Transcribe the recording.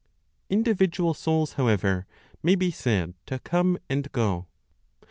INDIVIDUAL SOULS, HOWEVER, MAY BE SAID TO COME AND GO.